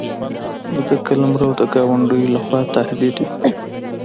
د ده قلمرو د ګاونډیو له خوا تهدید وي.